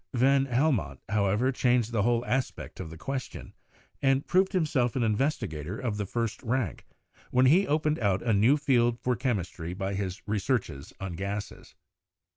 Van Hel mont, however, changed the whole aspect of the question and proved himself an investigator of the first rank when he opened out a new field for chemistry by his researches on gases.